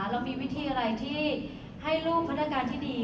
เรามีวิธีอะไรที่ให้ลูกพนักการที่ดี